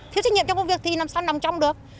thiếu trách nhiệm trong công việc thì làm sao nằm trong được